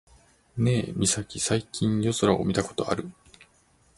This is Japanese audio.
ねえミサキ、最近夜空を見たことある？